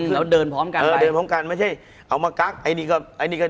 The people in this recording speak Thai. คุณผู้ชมบางท่าอาจจะไม่เข้าใจที่พิเตียร์สาร